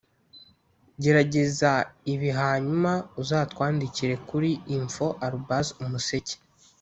Gerageza ibi hanyuma uzatwandikire ku info@umuseke